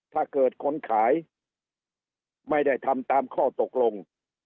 ถ้าเกิดคนขายไม่ได้ทำตามข้อตกลง